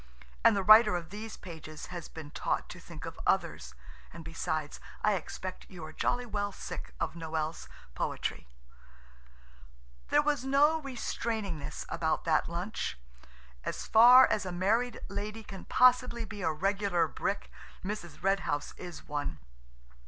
And the writer of these pages has been taught to think of others, and besides I expect you are jolly well sick of Noël's poetry. THE LUNCH WAS A PERFECT DREAM OF A.1.NESS. There was no restrainingness about that lunch. As far as a married lady can possibly be a regular brick, Mrs. Red House is one.